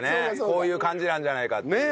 こういう感じなんじゃないかっていう。